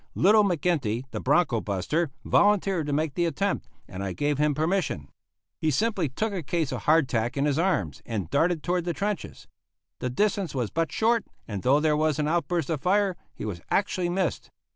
Little McGinty, the bronco buster, volunteered to make the attempt, and I gave him permission. He simply took a case of hardtack in his arms and darted toward the trenches. The distance was but short, and though there was an outburst of fire, he was actually missed.